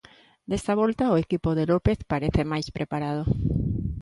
Desta volta o equipo de López parece máis preparado.